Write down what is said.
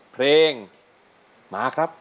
เพลงมาครับ